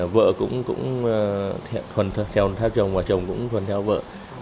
vợ cũng thuần theo thác chồng và chồng cũng thuần theo vợ